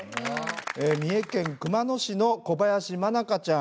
三重県熊野市の小林愛花ちゃん。